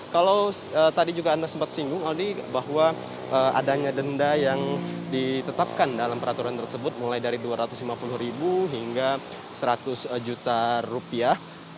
kalau tadi juga anda sempat singgung aldi bahwa adanya denda yang ditetapkan dalam peraturan tersebut mulai dari dua ratus lima puluh ribu hingga seratus juta rupiah